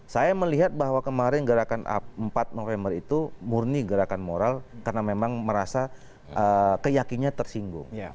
saya melihat bahwa kemarin gerakan empat november itu murni gerakan moral karena memang merasa keyakinnya tersinggung